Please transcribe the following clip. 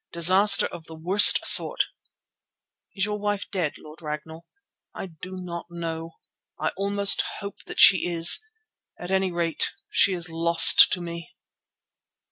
"Disaster of the worst sort." "Is your wife dead, Lord Ragnall?" "I do not know. I almost hope that she is. At any rate she is lost to me."